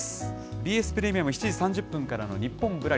ＢＳプレミアム、７時３０分からのニッポンぶらり